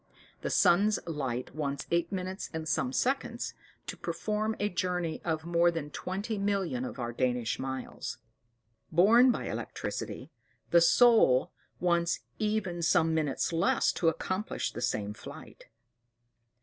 The sun's light wants eight minutes and some seconds to perform a journey of more than twenty million of our Danish [*] miles; borne by electricity, the soul wants even some minutes less to accomplish the same flight.